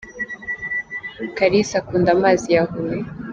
Kalisa Akunda amazi ya huye.